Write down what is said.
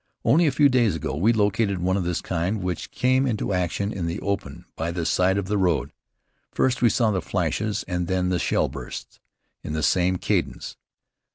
Only a few days ago we located one of this kind which came into action in the open by the side of a road. First we saw the flashes and then the shell bursts in the same cadence.